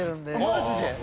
マジで！？